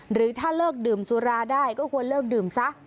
หรือถ้าเลิกดื่มสุราได้ก็ควรเลิกดื่มซะ